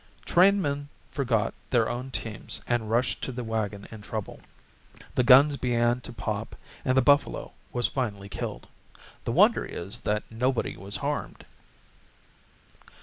Trainmen forgot their own teams and rushed to the wagon in trouble. The guns began to pop and the buffalo was finally killed. The wonder is that nobody was harmed.